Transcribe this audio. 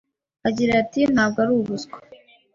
agira ati Ntabwo ari ubuswa,